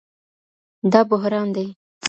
دا بحران دئ